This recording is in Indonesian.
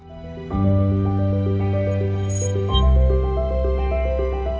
bank indonesia akan melanjutkan kebijakan makroprudensial yang akomodatif